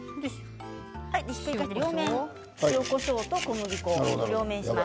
両面、塩、こしょうと小麦粉をします。